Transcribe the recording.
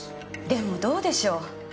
でもどうでしょう？